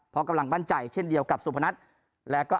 เพราะกำลังมั่นใจเช่นเดียวกับสุพนัทแล้วก็